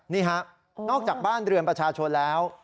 นี่ฮะนอกจากบ้านเรือนประชาชนแล้ว